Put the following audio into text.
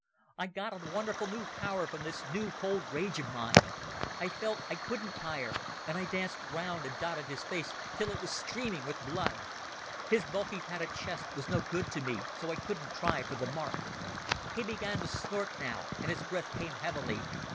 I got a wonderful power from this new cold rage of mine. I felt I couldn't tire, and I danced round and dotted his face till it was streaming with blood. His bulky padded chest was no good to me, so I couldn't try for the mark. He began to snort now and his breath came heavily.